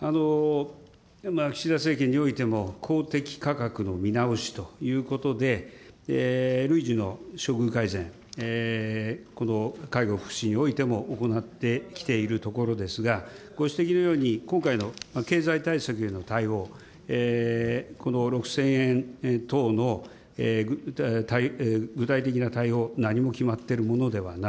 岸田政権においても、公的価格の見直しということで、累次の処遇改善、この介護・福祉においても行ってきているところですが、ご指摘のように、今回の経済対策への対応、この６０００円等の具体的な対応、何も決まっているものではない、